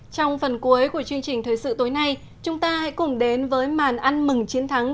trong phần cuối của chương trình thời sự tối nay chúng ta hãy cùng đến với màn ăn mừng chiến thắng